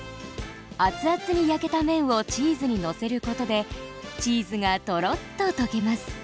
熱々に焼けた面をチーズにのせることでチーズがトロッと溶けます。